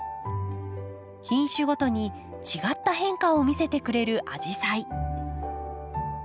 品種ごとに違った変化を見せてくれるアジサイ。